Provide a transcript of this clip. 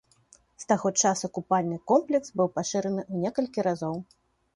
З таго часу купальны комплекс быў пашыраны ў некалькі разоў.